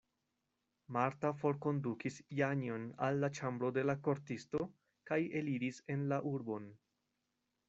Marta forkondukis Janjon al la ĉambro de la kortisto kaj eliris en la urbon.